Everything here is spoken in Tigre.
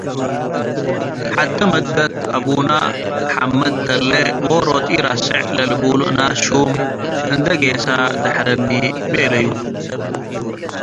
ሐቴ መደት አቡነ ሐመድ ተሌ ዎሮት ኢረሴዕ ለልቡሉ እናስ ሹም እንዴ ጌሰ “ደሐረኒ” ቤለዩ።